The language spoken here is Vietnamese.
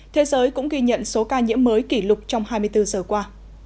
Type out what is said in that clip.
thế giới cũng ghi nhận số ca nhiễm mới kỷ lục trong hai mươi bốn giờ qua